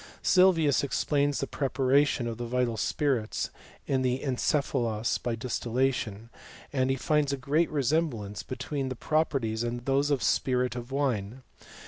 Sylvius explains the preparation of the vital spirits in the encephalos by distillation, and he finds a great resemblance between their properties . and those of spirit of wine.